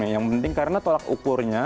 yang penting karena tolak ukurnya